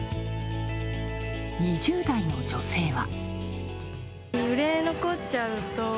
２０代の女性は。